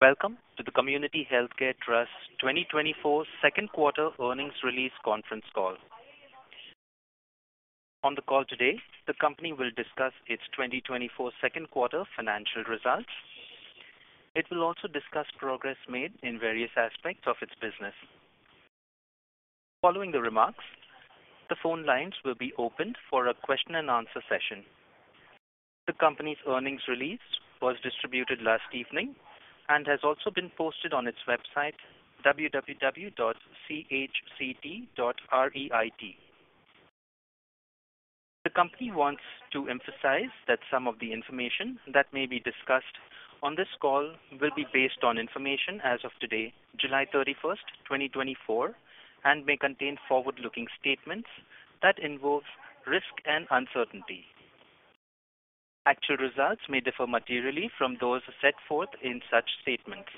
Welcome to the Community Healthcare Trust 2024 second quarter earnings release conference call. On the call today, the company will discuss its 2024 second quarter financial results. It will also discuss progress made in various aspects of its business. Following the remarks, the phone lines will be opened for a question-and-answer session. The company's earnings release was distributed last evening and has also been posted on its website, www.chct.reit. The company wants to emphasize that some of the information that may be discussed on this call will be based on information as of today, July 31st, 2024, and may contain forward-looking statements that involve risk and uncertainty. Actual results may differ materially from those set forth in such statements.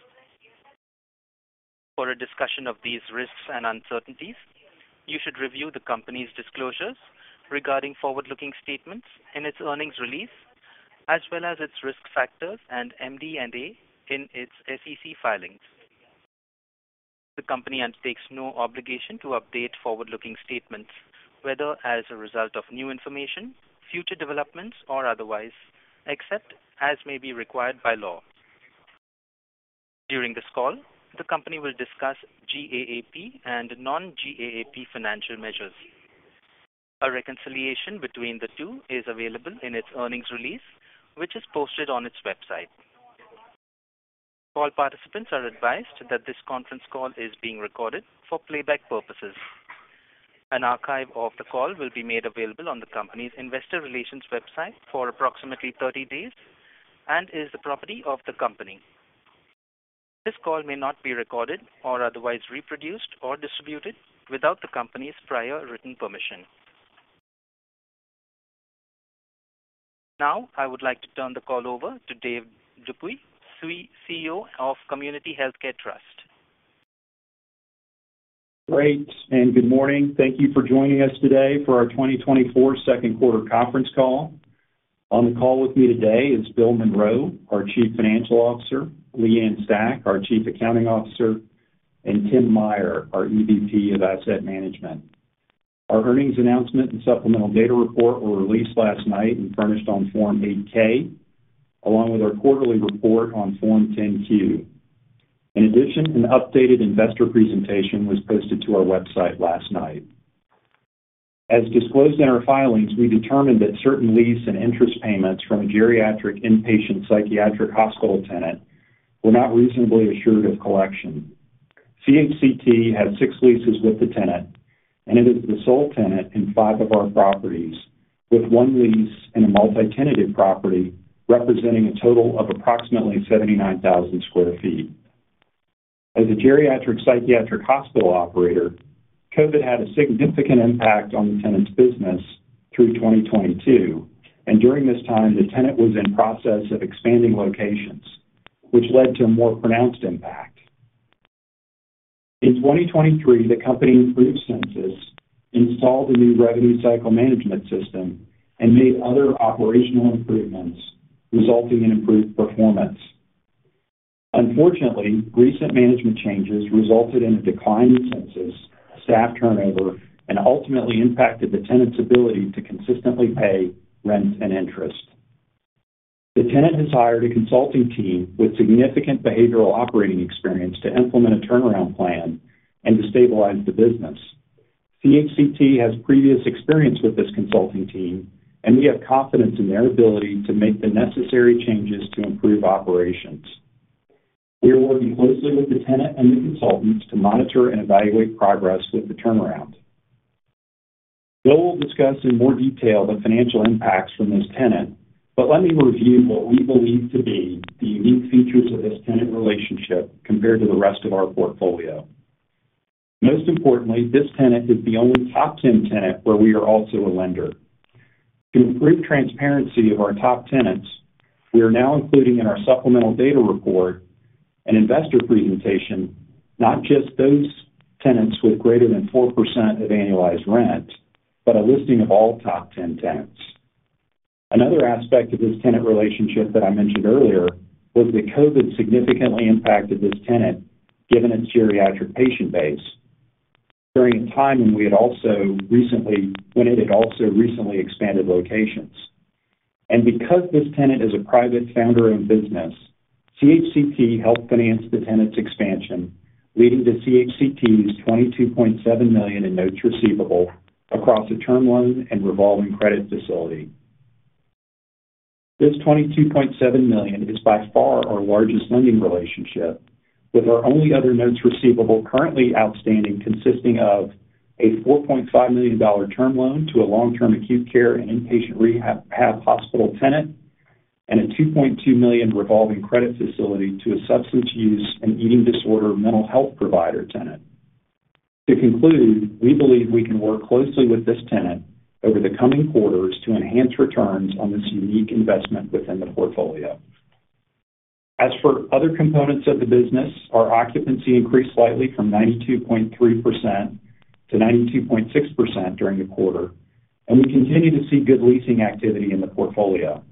For a discussion of these risks and uncertainties, you should review the company's disclosures regarding forward-looking statements in its earnings release, as well as its risk factors and MD&A in its SEC filings. The company undertakes no obligation to update forward-looking statements, whether as a result of new information, future developments, or otherwise, except as may be required by law. During this call, the company will discuss GAAP and non-GAAP financial measures. A reconciliation between the two is available in its earnings release, which is posted on its website. All participants are advised that this conference call is being recorded for playback purposes. An archive of the call will be made available on the company's investor relations website for approximately 30 days and is the property of the company. This call may not be recorded or otherwise reproduced or distributed without the company's prior written permission. Now, I would like to turn the call over to Dave Dupuy, CEO of Community Healthcare Trust. Great, and good morning. Thank you for joining us today for our 2024 second quarter conference call. On the call with me today is Bill Monroe, our Chief Financial Officer, Leigh Ann Stach, our Chief Accounting Officer, and Tim Meyer, our EVP of Asset Management. Our earnings announcement and supplemental data report were released last night and furnished on Form 8-K, along with our quarterly report on Form 10-Q. In addition, an updated investor presentation was posted to our website last night. As disclosed in our filings, we determined that certain lease and interest payments from a geriatric inpatient psychiatric hospital tenant were not reasonably assured of collection. CHCT had 6 leases with the tenant, and it is the sole tenant in 5 of our properties, with 1 lease in a multi-tenanted property representing a total of approximately 79,000 sq ft. As a geriatric psychiatric hospital operator, COVID had a significant impact on the tenant's business through 2022, and during this time, the tenant was in process of expanding locations, which led to a more pronounced impact. In 2023, the company improved census, installed a new revenue cycle management system, and made other operational improvements, resulting in improved performance. Unfortunately, recent management changes resulted in a decline in census, staff turnover, and ultimately impacted the tenant's ability to consistently pay rent and interest. The tenant has hired a consulting team with significant behavioral operating experience to implement a turnaround plan and to stabilize the business. CHCT has previous experience with this consulting team, and we have confidence in their ability to make the necessary changes to improve operations. We are working closely with the tenant and the consultants to monitor and evaluate progress with the turnaround. Bill will discuss in more detail the financial impacts from this tenant, but let me review what we believe to be the unique features of this tenant relationship compared to the rest of our portfolio. Most importantly, this tenant is the only top 10 tenant where we are also a lender. To improve transparency of our top tenants, we are now including in our supplemental data report an investor presentation, not just those tenants with greater than 4% of annualized rent, but a listing of all top 10 tenants. Another aspect of this tenant relationship that I mentioned earlier was that COVID significantly impacted this tenant, given its geriatric patient base, during a time when it had also recently expanded locations. Because this tenant is a private founder-owned business, CHCT helped finance the tenant's expansion, leading to CHCT's $22,700,00 in notes receivable across a term loan and revolving credit facility. This $22,700,000 is by far our largest lending relationship, with our only other notes receivable currently outstanding, consisting of a $4,500,000 term loan to a long-term acute care and inpatient rehab, rehab hospital tenant and a $2,200,000 revolving credit facility to a substance use and eating disorder mental health provider tenant. To conclude, we believe we can work closely with this tenant over the coming quarters to enhance returns on this unique investment within the portfolio. As for other components of the business, our occupancy increased slightly from 92.3%-.. -92.6% during the quarter, and we continue to see good leasing activity in the portfolio.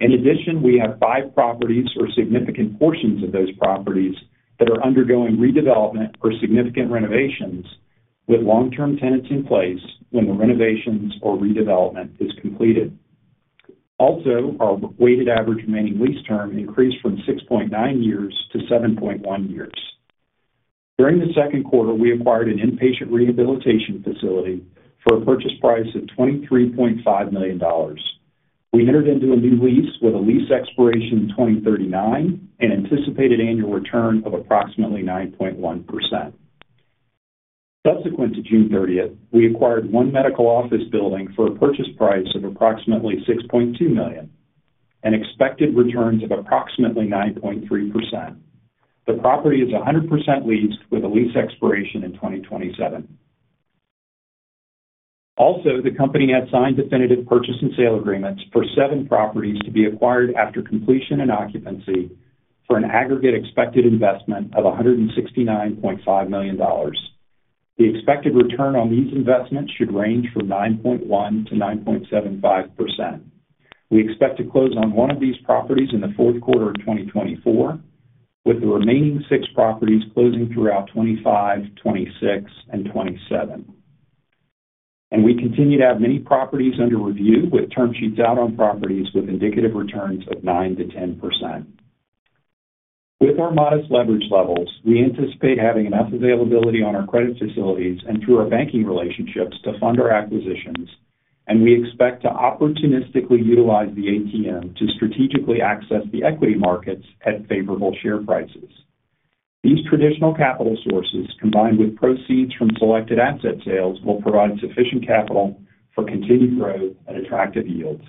In addition, we have five properties or significant portions of those properties that are undergoing redevelopment or significant renovations, with long-term tenants in place when the renovations or redevelopment is completed. Also, our weighted average remaining lease term increased from 6.9 years-7.1 years. During the second quarter, we acquired an inpatient rehabilitation facility for a purchase price of $23,500,000. We entered into a new lease with a lease expiration in 2039, an anticipated annual return of approximately 9.1%. Subsequent to June 30, we acquired one medical office building for a purchase price of approximately $6.2 million, an expected return of approximately 9.3%. The property is 100% leased, with a lease expiration in 2027. Also, the company has signed definitive purchase and sale agreements for 7 properties to be acquired after completion and occupancy for an aggregate expected investment of $169,500,000. The expected return on these investments should range from 9.1%-9.75%. We expect to close on 1 of these properties in the fourth quarter of 2024, with the remaining 6 properties closing throughout 2025, 2026, and 2027. We continue to have many properties under review, with term sheets out on properties with indicative returns of 9%-10%. With our modest leverage levels, we anticipate having enough availability on our credit facilities and through our banking relationships to fund our acquisitions, and we expect to opportunistically utilize the ATM to strategically access the equity markets at favorable share prices. These traditional capital sources, combined with proceeds from selected asset sales, will provide sufficient capital for continued growth at attractive yields.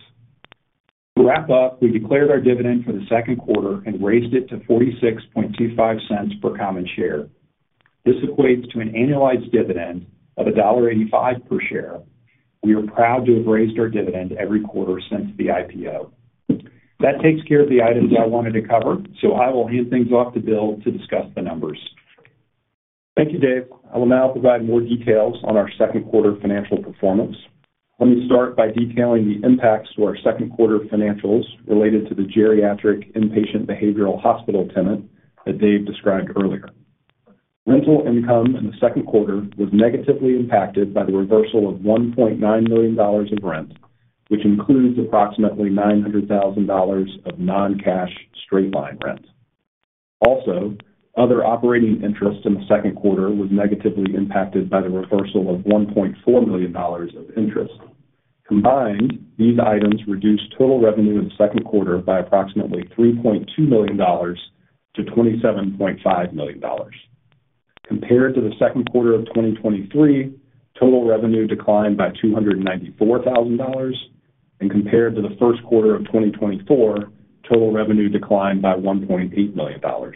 To wrap up, we declared our dividend for the second quarter and raised it to $0.4625 per common share. This equates to an annualized dividend of $1.85 per share. We are proud to have raised our dividend every quarter since the IPO. That takes care of the items I wanted to cover, so I will hand things off to Bill to discuss the numbers. Thank you, Dave. I will now provide more details on our second quarter financial performance. Let me start by detailing the impacts to our second quarter financials related to the geriatric inpatient behavioral hospital tenant that Dave described earlier. Rental income in the second quarter was negatively impacted by the reversal of $1,900,000 of rent, which includes approximately $900,000 of non-cash straight line rent. Also, other operating interest in the second quarter was negatively impacted by the reversal of $1,400,000 of interest. Combined, these items reduced total revenue in the second quarter by approximately $3,200,000-$27,500,000. Compared to the second quarter of 2023, total revenue declined by $294,000, and compared to the first quarter of 2024, total revenue declined by $1,800,000.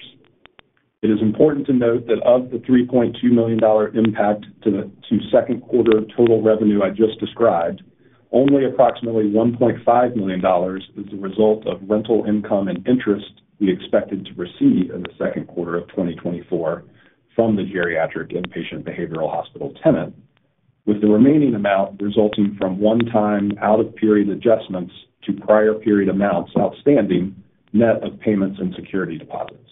It is important to note that of the $3,200,000 impact to the second quarter total revenue I just described, only approximately $1,500,000 is the result of rental income and interest we expected to receive in the second quarter of 2024 from the geriatric inpatient behavioral hospital tenant, with the remaining amount resulting from one-time, out-of-period adjustments to prior period amounts outstanding, net of payments and security deposits.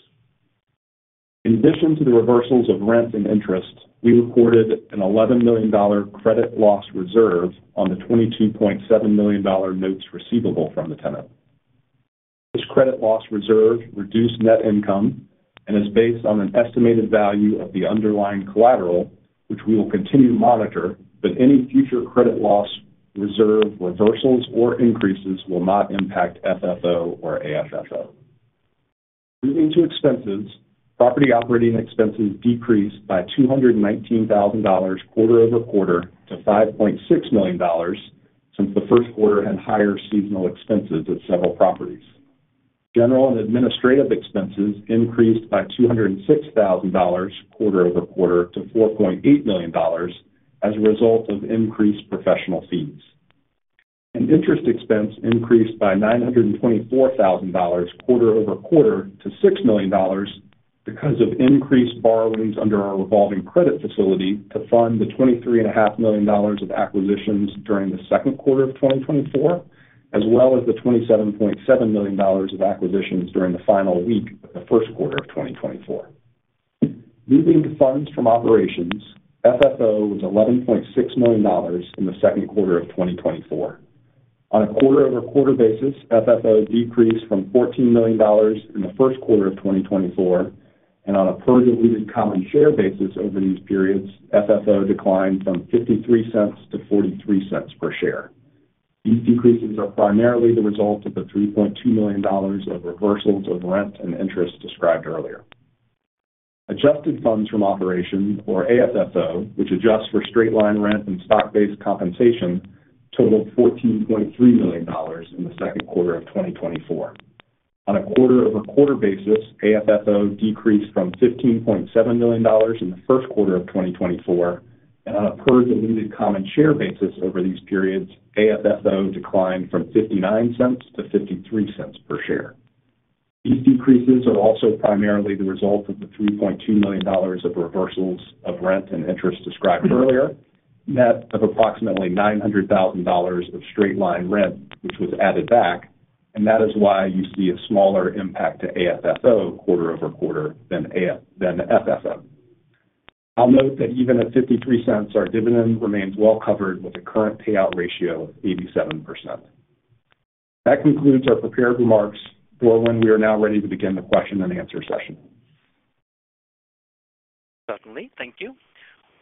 In addition to the reversals of rent and interest, we recorded an $11,000,000 credit loss reserve on the $22,000,000 notes receivable from the tenant. This credit loss reserve reduced net income and is based on an estimated value of the underlying collateral, which we will continue to monitor, but any future credit loss reserve reversals or increases will not impact FFO or AFFO. Moving to expenses, property operating expenses decreased by $219,000 quarter-over-quarter to $5,600,000, since the first quarter had higher seasonal expenses at several properties. General and administrative expenses increased by $206 thousand quarter-over-quarter to $4,800,000n as a result of increased professional fees. Interest expense increased by $924,000 quarter-over-quarter to $6,000,000 because of increased borrowings under our revolving credit facility to fund the $23,500,000 of acquisitions during the second quarter of 2024, as well as the $27,700,000 of acquisitions during the final week of the first quarter of 2024. Moving to funds from operations, FFO was $11,600,000 in the second quarter of 2024. On a quarter-over-quarter basis, FFO decreased from $14 million in the first quarter of 2024, and on a per diluted common share basis over these periods, FFO declined from $0.53 to $0.43 per share. These decreases are primarily the result of the $3,200,000 of reversals of rent and interest described earlier. Adjusted funds from operations, or AFFO, which adjusts for straight-line rent and stock-based compensation, totaled $14,300,000 in the second quarter of 2024. On a quarter-over-quarter basis, AFFO decreased from $15,700,000 in the first quarter of 2024, and on a per diluted common share basis over these periods, AFFO declined from $0.59-$0.53 per share.... These decreases are also primarily the result of the $3,200,000 of reversals of rent and interest described earlier, net of approximately $900,000 of straight-line rent, which was added back, and that is why you see a smaller impact to AFFO quarter over quarter than FFO. I'll note that even at $0.53, our dividend remains well covered, with a current payout ratio of 87%. That concludes our prepared remarks. We're now ready to begin the question and answer session. Certainly. Thank you.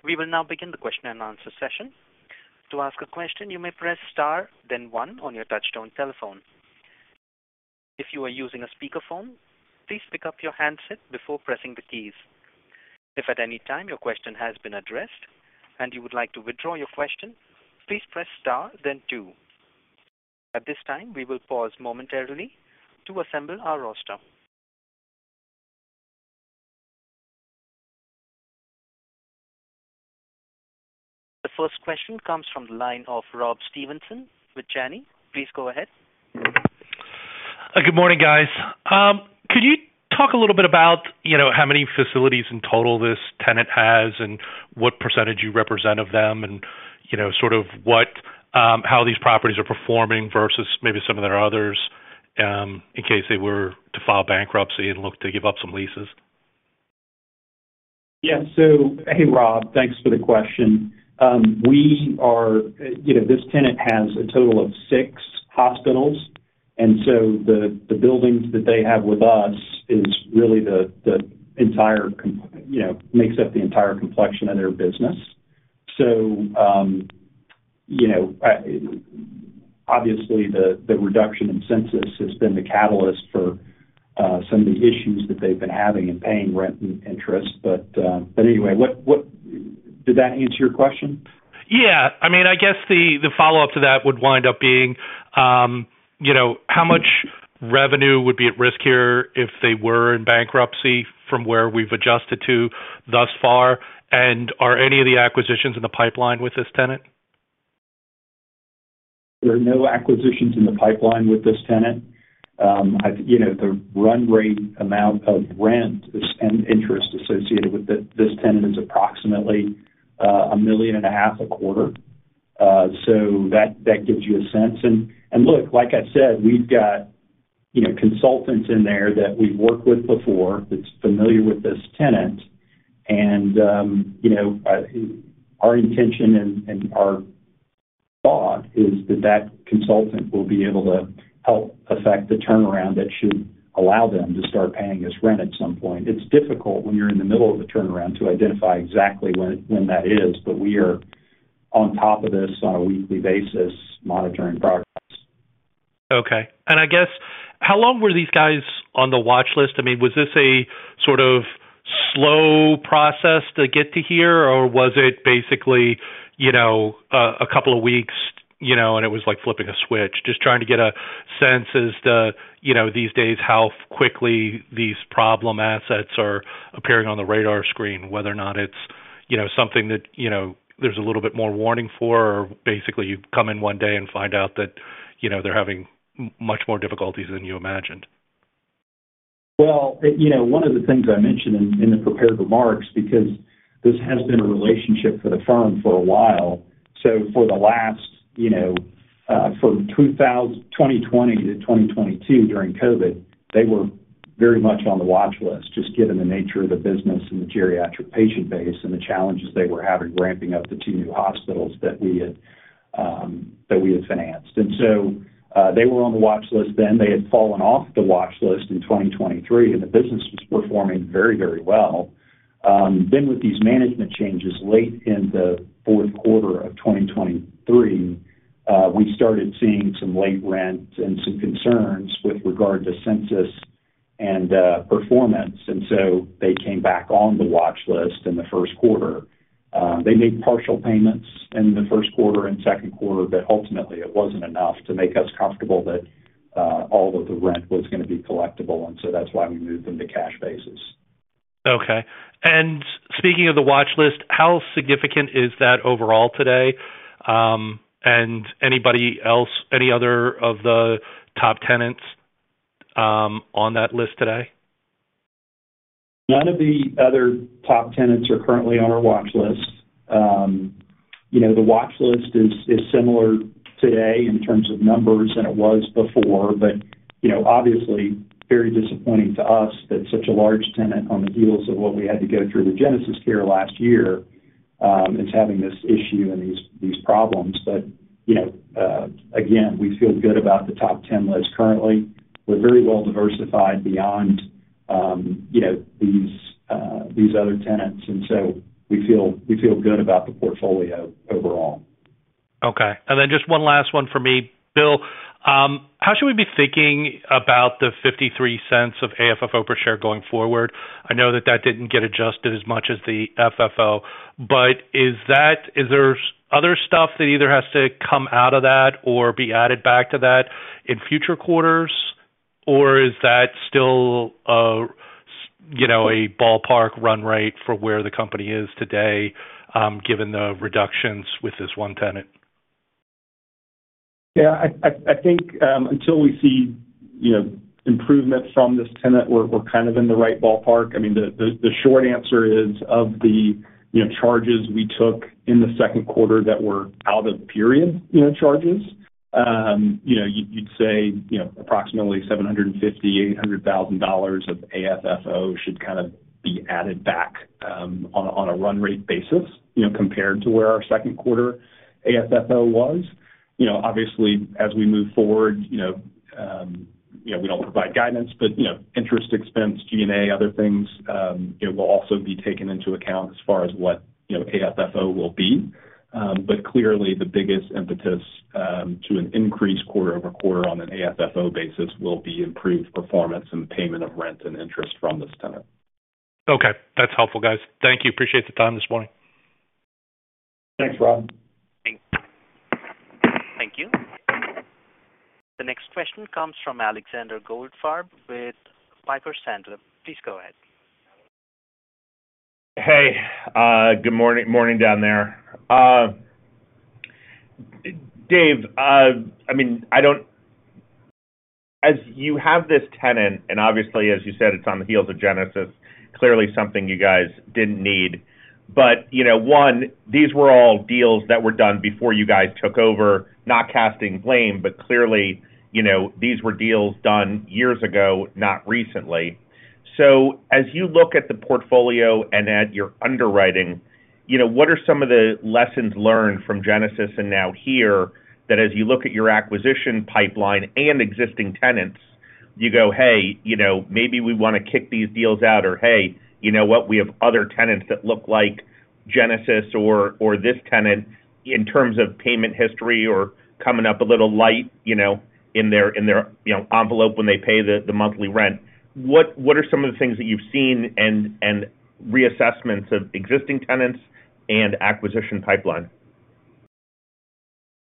We will now begin the question-and-answer session. To ask a question, you may press Star, then one on your touchtone telephone. If you are using a speakerphone, please pick up your handset before pressing the keys. If at any time your question has been addressed and you would like to withdraw your question, please press Star then two. At this time, we will pause momentarily to assemble our roster. The first question comes from the line of Rob Stevenson with Janney. Please go ahead. Good morning, guys. Could you talk a little bit about, you know, how many facilities in total this tenant has and what percentage you represent of them, and, you know, sort of what, how these properties are performing versus maybe some of their others, in case they were to file bankruptcy and look to give up some leases? Yeah. So, hey, Rob, thanks for the question. We are, you know, this tenant has a total of six hospitals, and so the buildings that they have with us is really the entire, you know, makes up the entire complexion of their business. So, you know, obviously, the reduction in census has been the catalyst for some of the issues that they've been having in paying rent and interest. But, but anyway, what... Did that answer your question? Yeah. I mean, I guess the follow-up to that would wind up being, you know, how much revenue would be at risk here if they were in bankruptcy from where we've adjusted to thus far, and are any of the acquisitions in the pipeline with this tenant? There are no acquisitions in the pipeline with this tenant. You know, the run rate amount of rent and interest associated with this tenant is approximately $1,500,000 a quarter. So that gives you a sense. And look, like I said, we've got, you know, consultants in there that we've worked with before, that's familiar with this tenant, and, you know, our intention and our thought is that that consultant will be able to help affect the turnaround that should allow them to start paying us rent at some point. It's difficult when you're in the middle of a turnaround to identify exactly when that is, but we are on top of this on a weekly basis, monitoring progress. Okay. I guess, how long were these guys on the watch list? I mean, was this a sort of slow process to get to here, or was it basically, you know, a couple of weeks, you know, and it was like flipping a switch? Just trying to get a sense as to, you know, these days, how quickly these problem assets are appearing on the radar screen, whether or not it's, you know, something that, you know, there's a little bit more warning for, or basically, you come in one day and find out that, you know, they're having much more difficulties than you imagined. Well, you know, one of the things I mentioned in the prepared remarks, because this has been a relationship for the firm for a while, so for the last, you know, from 2020 to 2022, during COVID, they were very much on the watch list, just given the nature of the business and the geriatric patient base and the challenges they were having ramping up the two new hospitals that we had that we had financed. And so, they were on the watch list then. They had fallen off the watch list in 2023, and the business was performing very, very well. Then with these management changes late in the fourth quarter of 2023, we started seeing some late rent and some concerns with regard to census and performance, and so they came back on the watch list in the first quarter. They made partial payments in the first quarter and second quarter, but ultimately it wasn't enough to make us comfortable that all of the rent was gonna be collectible, and so that's why we moved them to cash basis. Okay. And speaking of the watch list, how significant is that overall today? And anybody else, any other of the top tenants, on that list today? None of the other top tenants are currently on our watch list. You know, the watch list is similar today in terms of numbers than it was before, but, you know, obviously, very disappointing to us that such a large tenant on the heels of what we had to go through with GenesisCare last year, is having this issue and these problems. But, you know, again, we feel good about the top 10 list currently. We're very well diversified beyond, you know, these other tenants, and so we feel good about the portfolio overall. Okay, and then just one last one for me. Bill, how should we be thinking about the $0.53 of AFFO per share going forward? I know that that didn't get adjusted as much as the FFO, but is that-- is there other stuff that either has to come out of that or be added back to that in future quarters? Or is that still a, you know, a ballpark run rate for where the company is today, given the reductions with this one tenant?... Yeah, I think until we see, you know, improvements from this tenant, we're kind of in the right ballpark. I mean, the short answer is, of the, you know, charges we took in the second quarter that were out of period, you know, charges, you know, you'd say, you know, approximately $750,000-$800,000 of AFFO should kind of be added back, on a run rate basis, you know, compared to where our second quarter AFFO was. You know, obviously, as we move forward, you know, we don't provide guidance, but, you know, interest expense, G&A, other things, will also be taken into account as far as what, you know, AFFO will be. But clearly, the biggest impetus to an increase quarter-over-quarter on an AFFO basis will be improved performance and payment of rent and interest from this tenant. Okay. That's helpful, guys. Thank you. Appreciate the time this morning. Thanks, Rob. Thank you. The next question comes from Alexander Goldfarb with Piper Sandler. Please go ahead. Hey, good morning. Morning down there. Dave, I mean, I don't— As you have this tenant, and obviously, as you said, it's on the heels of Genesis, clearly something you guys didn't need. But, you know, one, these were all deals that were done before you guys took over, not casting blame, but clearly, you know, these were deals done years ago, not recently. So as you look at the portfolio and at your underwriting, you know, what are some of the lessons learned from Genesis and now here, that as you look at your acquisition pipeline and existing tenants, you go, Hey, you know, maybe we wanna kick these deals out, or, Hey, you know what? We have other tenants that look like Genesis or this tenant in terms of payment history or coming up a little light, you know, in their you know envelope when they pay the monthly rent. What are some of the things that you've seen and reassessments of existing tenants and acquisition pipeline?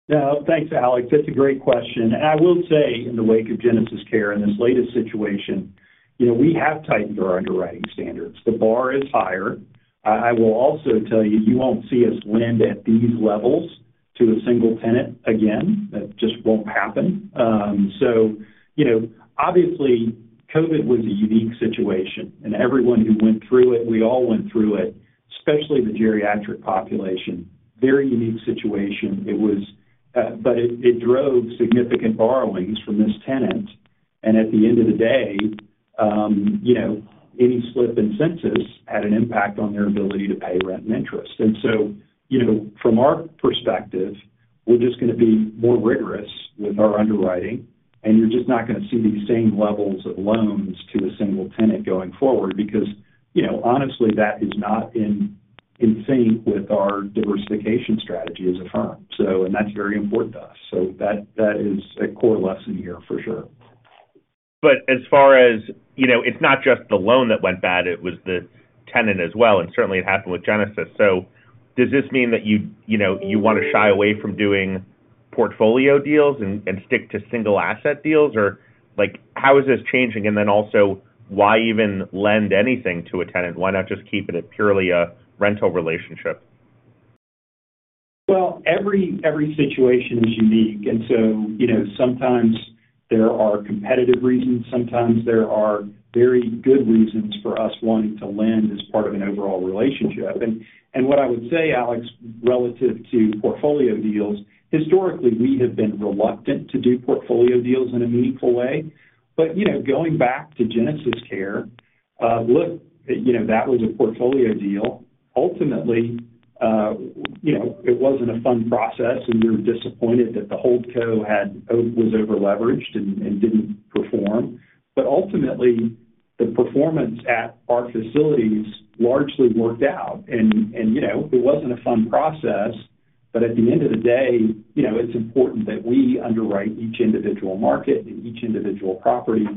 Yeah. Thanks, Alex. That's a great question. And I will say, in the wake of GenesisCare and this latest situation, you know, we have tightened our underwriting standards. The bar is higher. I will also tell you, you won't see us lend at these levels to a single tenant again. That just won't happen. So you know, obviously, COVID was a unique situation, and everyone who went through it, we all went through it, especially the geriatric population. Very unique situation. It was, but it drove significant borrowings from this tenant, and at the end of the day, you know, any slip in census had an impact on their ability to pay rent and interest. And so, you know, from our perspective, we're just gonna be more rigorous with our underwriting, and you're just not gonna see these same levels of loans to a single tenant going forward, because, you know, honestly, that is not in sync with our diversification strategy as a firm. So and that's very important to us. So that is a core lesson here for sure. But as far as... You know, it's not just the loan that went bad, it was the tenant as well, and certainly it happened with Genesis. So does this mean that you, you know, you wanna shy away from doing portfolio deals and, and stick to single asset deals? Or, like, how is this changing? And then also, why even lend anything to a tenant? Why not just keep it at purely a rental relationship? Well, every situation is unique, and so, you know, sometimes there are competitive reasons, sometimes there are very good reasons for us wanting to lend as part of an overall relationship. And what I would say, Alex, relative to portfolio deals, historically, we have been reluctant to do portfolio deals in a meaningful way. But, you know, going back to GenesisCare, look, you know, that was a portfolio deal. Ultimately, you know, it wasn't a fun process, and we were disappointed that the holdco was overleveraged and didn't perform. But ultimately, the performance at our facilities largely worked out. You know, it wasn't a fun process, but at the end of the day, you know, it's important that we underwrite each individual market and each individual property,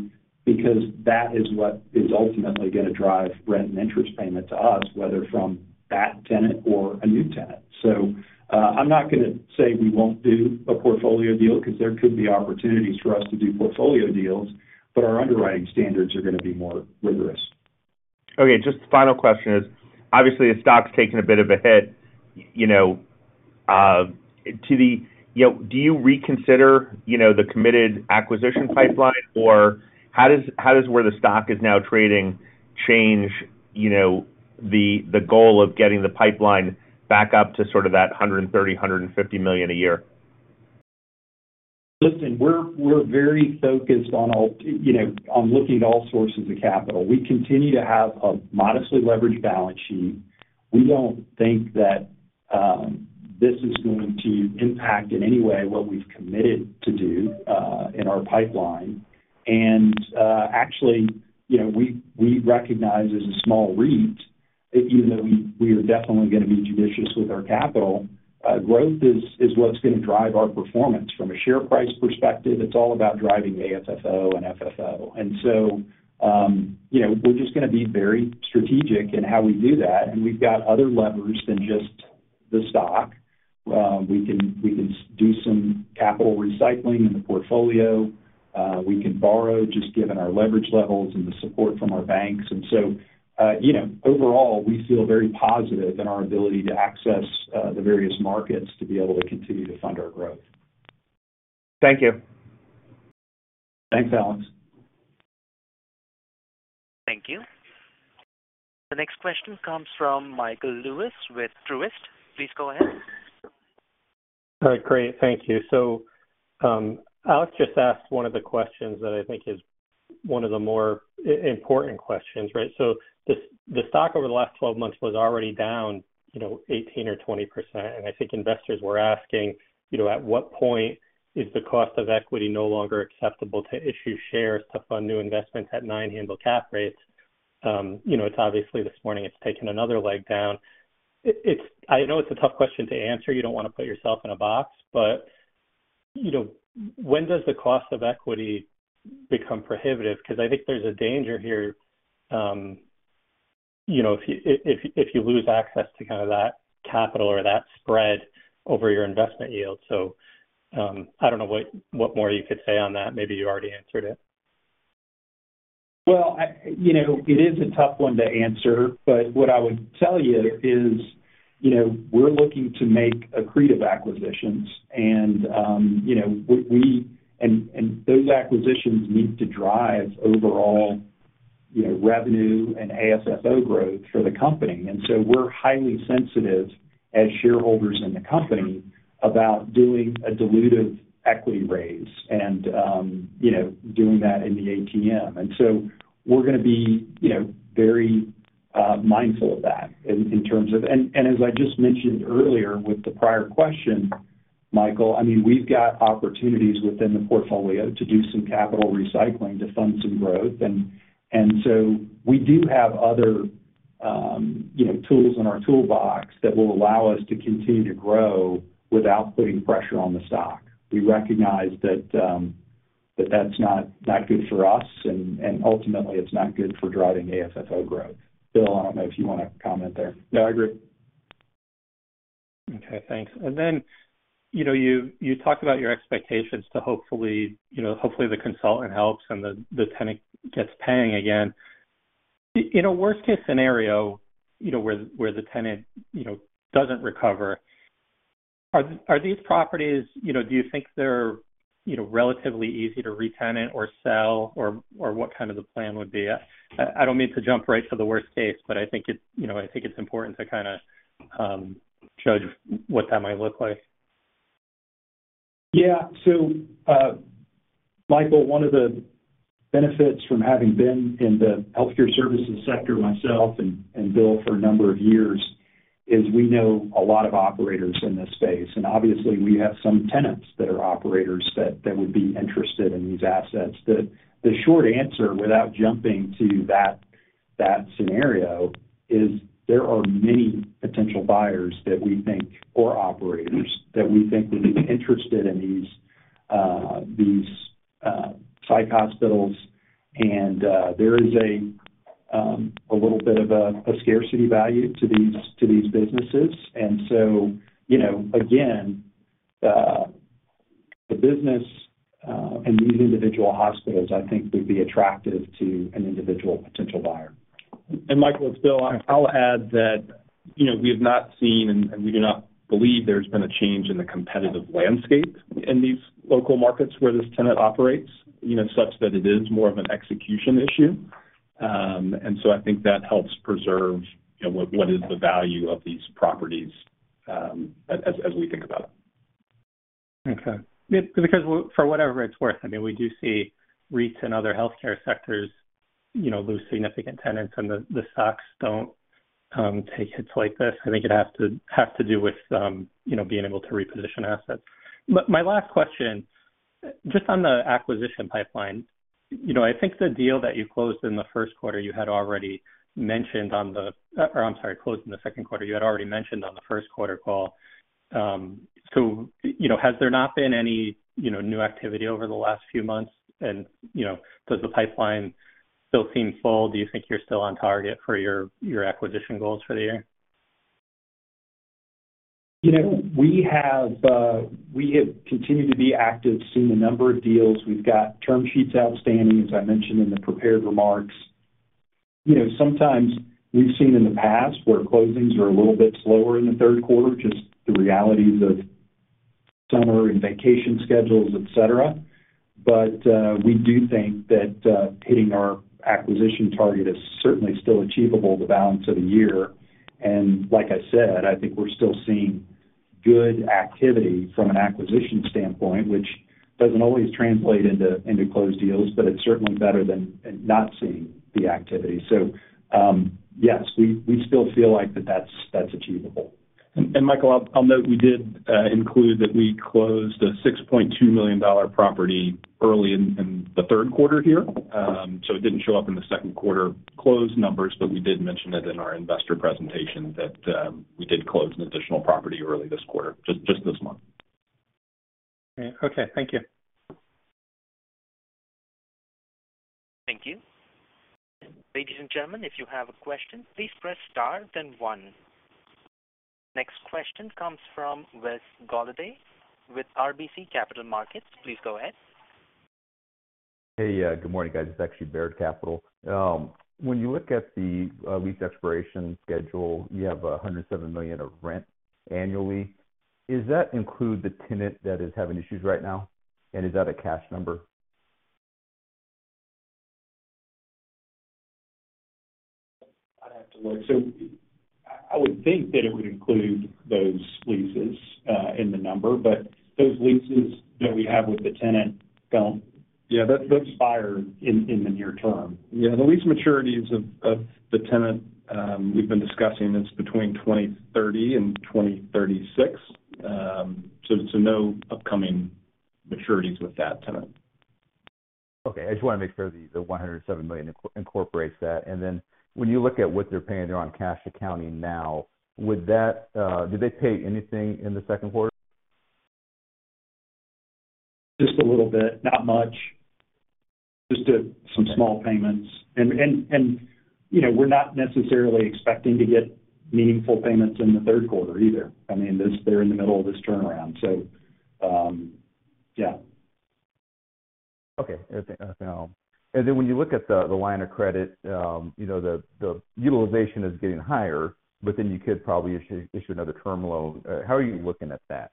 because that is what is ultimately gonna drive rent and interest payment to us, whether from that tenant or a new tenant. So, I'm not gonna say we won't do a portfolio deal, 'cause there could be opportunities for us to do portfolio deals, but our underwriting standards are gonna be more rigorous. Okay, just the final question is, obviously, the stock's taken a bit of a hit, you know, to the... You know, do you reconsider, you know, the committed acquisition pipeline, or how does, how does, where the stock is now trading, change, you know, the, the goal of getting the pipeline back up to sort of that $130,000,000-$150,000,000 a year? Listen, we're very focused on all, you know, on looking at all sources of capital. We continue to have a modestly leveraged balance sheet. We don't think that this is going to impact in any way what we've committed to do in our pipeline. And actually, you know, we recognize as a small REIT, that even though we are definitely gonna be judicious with our capital, growth is what's gonna drive our performance. From a share price perspective, it's all about driving AFFO and FFO. And so, you know, we're just gonna be very strategic in how we do that, and we've got other levers than just the stock. We can do some capital recycling in the portfolio. We can borrow, just given our leverage levels and the support from our banks. And so, you know, overall, we feel very positive in our ability to access the various markets to be able to continue to fund our growth. Thank you. Thanks, Alex. Thank you. The next question comes from Michael Lewis with Truist. Please go ahead. All right, great. Thank you. So, Alex just asked one of the questions that I think is one of the more important questions, right? So the stock over the last 12 months was already down, you know, 18% or 20%, and I think investors were asking, you know, at what point is the cost of equity no longer acceptable to issue shares to fund new investments at 9 handle cap rates? You know, it's obviously, this morning, it's taken another leg down. It, it's... I know it's a tough question to answer. You don't want to put yourself in a box, but, you know, when does the cost of equity become prohibitive? Because I think there's a danger here, you know, if you lose access to kind of that capital or that spread over your investment yield. I don't know what more you could say on that. Maybe you already answered it. Well, you know, it is a tough one to answer, but what I would tell you is, you know, we're looking to make accretive acquisitions, and, you know, and those acquisitions need to drive overall, you know, revenue and AFFO growth for the company. And so we're highly sensitive as shareholders in the company about doing a dilutive equity raise and, you know, doing that in the ATM. And so we're gonna be, you know, very, mindful of that in terms of. And as I just mentioned earlier with the prior question, Michael, I mean, we've got opportunities within the portfolio to do some capital recycling to fund some growth. And so we do have other, you know, tools in our toolbox that will allow us to continue to grow without putting pressure on the stock. We recognize that that's not good for us, and ultimately, it's not good for driving AFFO growth. Bill, I don't know if you want to comment there. Yeah, I agree. Okay, thanks. And then, you know, you talked about your expectations to hopefully, you know, hopefully, the consultant helps and the tenant gets paying again. In a worst-case scenario, you know, where the tenant, you know, doesn't recover, are these properties, you know, do you think they're, you know, relatively easy to retenant or sell, or what kind of the plan would be? I don't mean to jump right to the worst case, but I think it's, you know, I think it's important to kind of judge what that might look like. Yeah. So, Michael, one of the benefits from having been in the healthcare services sector myself and Bill for a number of years, is we know a lot of operators in this space, and obviously, we have some tenants that are operators that would be interested in these assets. The short answer, without jumping to that scenario, is there are many potential buyers that we think, or operators, that we think would be interested in these psych hospitals. And there is a little bit of a scarcity value to these businesses. And so, you know, again, the business and these individual hospitals, I think, would be attractive to an individual potential buyer. Michael, it's Bill. I'll add that, you know, we have not seen, and we do not believe there's been a change in the competitive landscape in these local markets where this tenant operates, you know, such that it is more of an execution issue. And so I think that helps preserve, you know, what is the value of these properties, as we think about it. Okay. Because for whatever it's worth, I mean, we do see REITs and other healthcare sectors, you know, lose significant tenants, and the stocks don't take hits like this. I think it has to do with, you know, being able to reposition assets. But my last question, just on the acquisition pipeline, you know, I think the deal that you closed in the first quarter, you had already mentioned on the... Or I'm sorry, closed in the second quarter, you had already mentioned on the first quarter call. So, you know, has there not been any, you know, new activity over the last few months? And, you know, does the pipeline still seem full? Do you think you're still on target for your acquisition goals for the year? You know, we have, we have continued to be active seeing a number of deals. We've got term sheets outstanding, as I mentioned in the prepared remarks. You know, sometimes we've seen in the past where closings are a little bit slower in the third quarter, just the realities of summer and vacation schedules, et cetera. But, we do think that, hitting our acquisition target is certainly still achievable the balance of the year. And like I said, I think we're still seeing good activity from an acquisition standpoint, which doesn't always translate into closed deals, but it's certainly better than not seeing the activity. So, yes, we, we still feel like that that's, that's achievable. And, and Michael, I'll, I'll note, we did, include that we closed a $6,200,000 property early in, in the third quarter here. So, it didn't show up in the second quarter closed numbers, but we did mention it in our investor presentation that we did close an additional property early this quarter, just this month. Okay. Thank you. Thank you. Ladies and gentlemen, if you have a question, please press Star then One. Next question comes from Wes Golladay with RBC Capital Markets. Please go ahead. Hey, good morning, guys. It's actually Baird Capital. When you look at the lease expiration schedule, you have $107,000,000 of rent annually. Does that include the tenant that is having issues right now? And is that a cash number? I'd have to look. So I would think that it would include those leases in the number, but those leases that we have with the tenant don't. Yeah, that Those expire in the near term. Yeah, the lease maturities of the tenant we've been discussing is between 2030 and 2036. So no upcoming maturities with that tenant. Okay, I just wanna make sure the $107,000,000 incorporates that. And then when you look at what they're paying, they're on cash accounting now, would that Did they pay anything in the second quarter? Just a little bit, not much. Just some small payments. You know, we're not necessarily expecting to get meaningful payments in the third quarter either. I mean, this, they're in the middle of this turnaround, so yeah. Okay. Okay, now, and then when you look at the line of credit, you know, the utilization is getting higher, but then you could probably issue another term loan. How are you looking at that?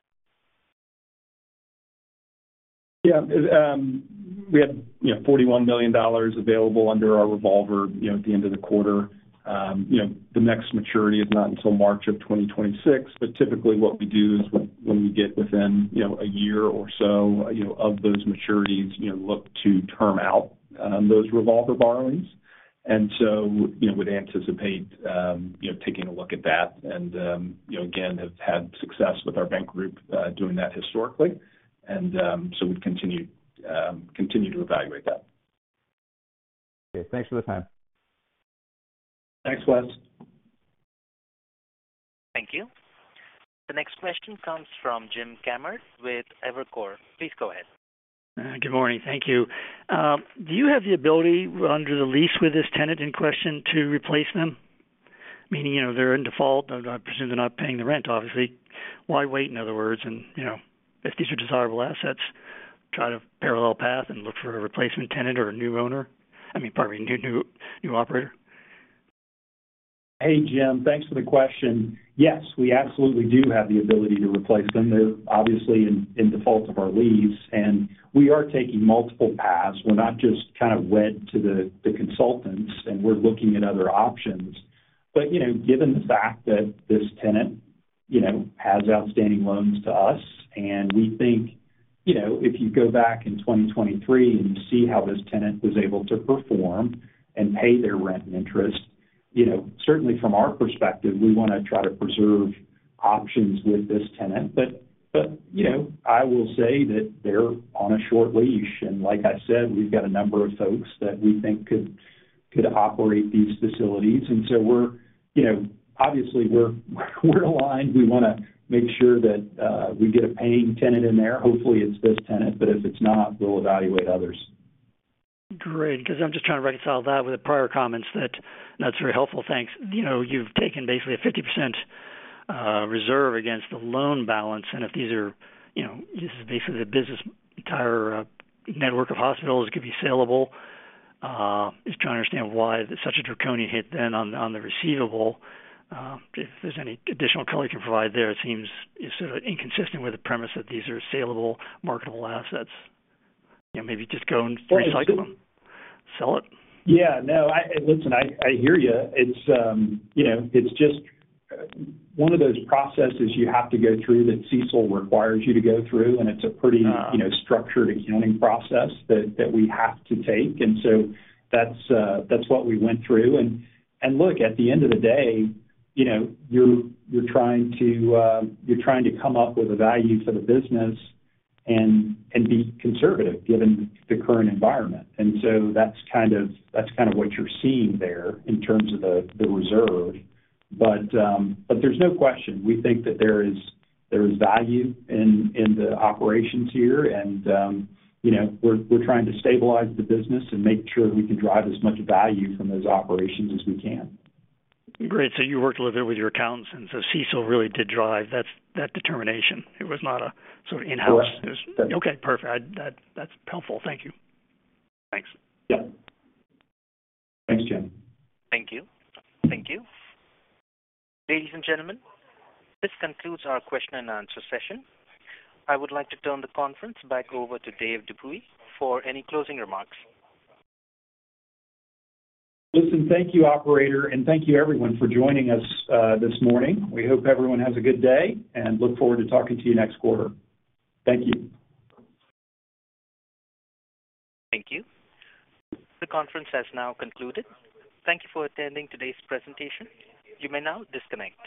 Yeah, we had, you know, $41,000,000 available under our revolver, you know, at the end of the quarter. The next maturity is not until March 2026, but typically what we do is when we get within, you know, a year or so, you know, of those maturities, you know, look to term out those revolver borrowings. And so, you know, we'd anticipate, you know, taking a look at that, and, you know, again, have had success with our bank group, doing that historically. And, so we'd continue to evaluate that. Okay, thanks for the time. Thanks, Wes. Thank you. The next question comes from Jim Kammert with Evercore. Please go ahead. Good morning. Thank you. Do you have the ability, under the lease with this tenant in question, to replace them? Meaning, you know, they're in default. I presume they're not paying the rent, obviously. Why wait, in other words, and, you know, if these are desirable assets, try to parallel path and look for a replacement tenant or a new owner, I mean, pardon me, new operator? Hey, Jim, thanks for the question. Yes, we absolutely do have the ability to replace them. They're obviously in default of our lease, and we are taking multiple paths. We're not just kind of wed to the consultants, and we're looking at other options. But, you know, given the fact that this tenant, you know, has outstanding loans to us, and we think, you know, if you go back in 2023 and you see how this tenant was able to perform and pay their rent and interest, you know, certainly from our perspective, we wanna try to preserve options with this tenant. But, you know, I will say that they're on a short leash, and like I said, we've got a number of folks that we think could operate these facilities. And so we're, you know, obviously, we're aligned. We wanna make sure that we get a paying tenant in there. Hopefully, it's this tenant, but if it's not, we'll evaluate others. Great, 'cause I'm just trying to reconcile that with the prior comments that... That's very helpful, thanks. You know, you've taken basically a 50% reserve against the loan balance, and if these are, you know, this is basically the business entire network of hospitals could be saleable. Just trying to understand why such a draconian hit then on the receivable. If there's any additional color you can provide there, it seems sort of inconsistent with the premise that these are saleable, marketable assets. You know, maybe just go and recycle them. Thanks. Sell it. Yeah, no, listen, I hear you. It's, you know, it's just one of those processes you have to go through, that CECL requires you to go through, and it's a pretty- Uh. You know, structured accounting process that we have to take. And so that's what we went through. And look, at the end of the day, you know, you're trying to come up with a value for the business and be conservative, given the current environment. And so that's kind of what you're seeing there in terms of the reserve. But there's no question, we think that there is value in the operations here, and you know, we're trying to stabilize the business and make sure we can drive as much value from those operations as we can. Great, so you worked a little bit with your accountants, and so CECL really did drive that determination. It was not a sort of in-house- Correct. Okay, perfect. That, that's helpful. Thank you. Thanks. Yep. Thanks, Jim. Thank you. Thank you. Ladies and gentlemen, this concludes our question and answer session. I would like to turn the conference back over to Dave Dupuy for any closing remarks. Listen, thank you, operator, and thank you everyone for joining us, this morning. We hope everyone has a good day, and look forward to talking to you next quarter. Thank you. Thank you. The conference has now concluded. Thank you for attending today's presentation. You may now disconnect.